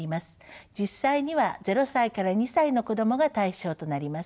実際には０歳から２歳の子どもが対象となります。